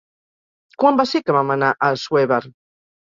Quan va ser que vam anar a Assuévar?